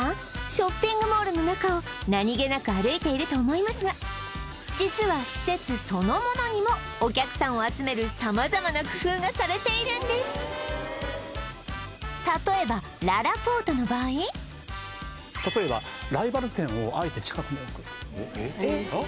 ショッピングモールの中を何げなく歩いていると思いますが実は施設そのものにもお客さんを集める様々な工夫がされているんです例えば例えばライバル店をあえて近くに置くえっ？